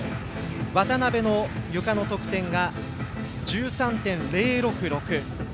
渡部のゆかの得点が１３．０６６。